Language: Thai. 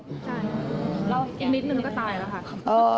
ใช่แล้วอีกนิดนึงก็ตายแล้วค่ะ